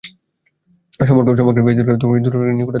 সম্পর্ক বেশ দূরের, তবের দূরের হলেও নিকট আত্মীয় বলতে উনিই আছেন।